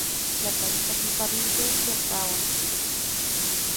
La playa está totalmente desierta ahora.